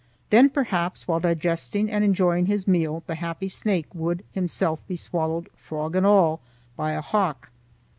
Then, perhaps, while digesting and enjoying his meal, the happy snake would himself be swallowed frog and all by a hawk.